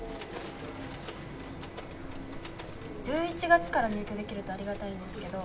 ☎１１月から入居できるとありがたいんですけど。